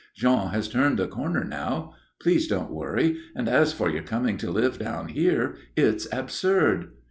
Jean has turned the corner now. Please don't worry. And as for your coming to live down here, it's absurd."